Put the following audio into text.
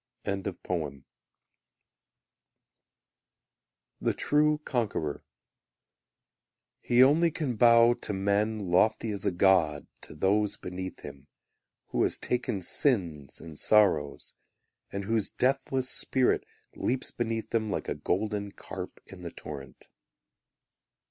The True Conqueror He only can bow to men Lofty as a god To those beneath him, Who has taken sins and sorrows And whose deathless spirit leaps Beneath them like a golden carp in the torrent.